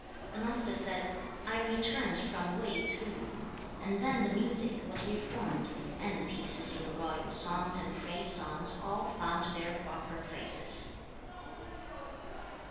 The Master said, 'I returned from Wei to Lu, and then the music was reformed, and the pieces in the Royal songs and Praise songs all found their proper places.'